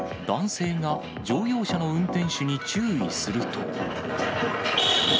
男性が乗用車の運転手に注意すると。